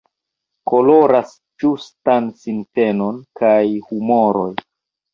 Koloras ĝustan sintenon kaj humoroj.